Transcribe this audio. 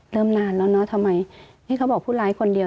เริ่มนานแล้วทำไมเค้าบอกผู้หลายคนเดียว